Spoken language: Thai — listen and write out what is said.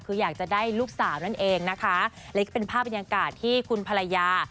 คืออยากจะได้ลูกสาวนั่นเองนะคะและก็เป็นภาพบรรยากาศที่คุณภรรยา